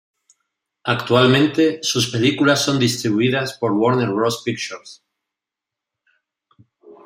Actualmente, sus películas son distribuidas por Warner Bros Pictures.